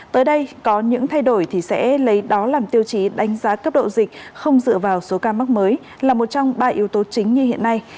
tới đây có những thay đổi thì sẽ lấy đó làm tiêu chí đánh giá cấp độ dịch không dựa vào số ca mắc mới là một trong ba yếu tố chính như hiện nay